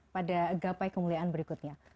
pada gapai kemuliaan berikutnya